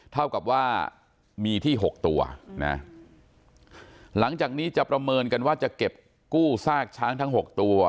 เท่ากับว่ามีที่หกตัวนะหลังจากนี้จะประเมินกันว่าจะเก็บกู้ซากช้างทั้งหกตัว